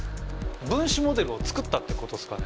分子モデルを作ったってことっすかね。